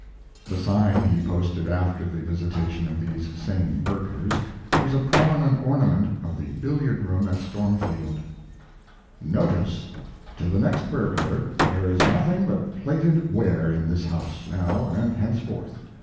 The sign he posted after the visitation of these same burglars was a prominent ornament of the billiard room at "Stormfield ": NOTICE To the next Burglar There is nothing but plated ware in this house, now and henceforth.